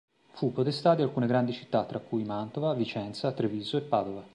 Fu podestà di alcune grandi città tra cui Mantova, Vicenza, Treviso e Padova.